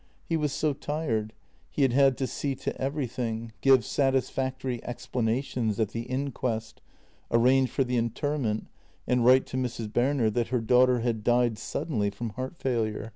He was so tired; he had had to see to everything — give satisfactory explanations at the inquest, arrange for the interment, and write to Mrs. Berner that her daughter had died suddenly from heart failure.